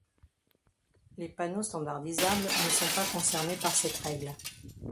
Les panneaux standardisables ne sont pas concernés par cette règle.